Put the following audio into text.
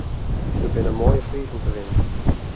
Der binne moaie prizen te winnen.